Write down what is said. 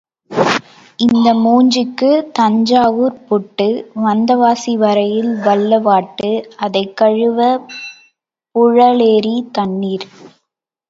இந்த மூஞ்சிக்குத் தஞ்சாவூர்ப் பொட்டு வந்தவாசி வரையில் வல்லவாட்டு அதைக் கழுவப் புழலேரித் தண்ணீர்.